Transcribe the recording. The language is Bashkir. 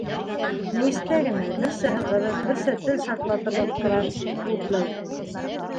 Мейестә генә, берсә һыҙғырып, берсә тел шартлатып аптырап, ут ләүкей.